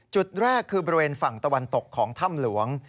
จุดแรกคือบริเวณฝั่งตะวันตกของถ้ำหลวง